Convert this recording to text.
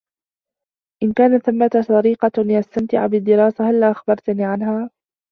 إن كانت ثمّة طريقة لأستمتع بالدراسة، هلّا أخبرتني عنها؟